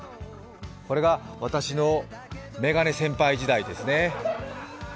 これが私のメガネ先輩時代ですね。